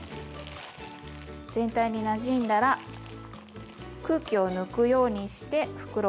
全体になじんだら空気を抜くようにして袋を閉じます。